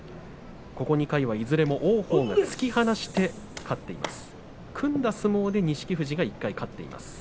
ここ２回はいずれも王鵬が突き放して勝っています。